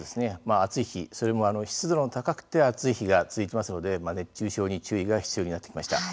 暑い日それも湿度が高くて暑い日が多いので熱中症に注意が必要になってきました。